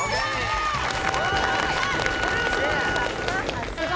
さすが！